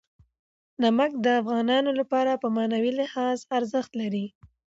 نمک د افغانانو لپاره په معنوي لحاظ ارزښت لري.